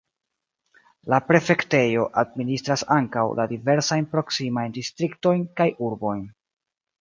La prefektejo administras ankaŭ la diversajn proksimajn distriktojn kaj urbojn.